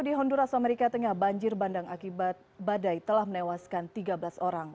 di honduras amerika tengah banjir bandang akibat badai telah menewaskan tiga belas orang